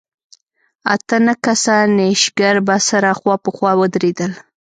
اته نه کسه نېشګر به سره خوا په خوا ودرېدل.